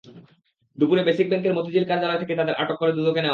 দুপুরে বেসিক ব্যাংকের মতিঝিল কার্যালয় থেকে তাঁদের আটক করে দুদকে নেওয়া হয়।